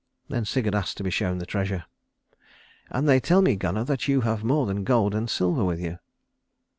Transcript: Then Sigurd asked to be shown the treasure; "And they tell me, Gunnar, that you have more than gold and silver with you."